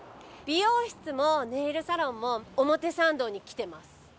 美容室もネイルサロンも表参道に来てます。